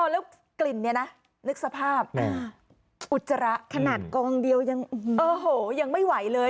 แล้วกลิ่นเนี่ยนะนึกสภาพอุจจาระขนาดกองเดียวยังโอ้โหยังไม่ไหวเลย